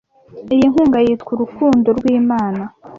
iyi nkunga yitwa urukundo rw'imana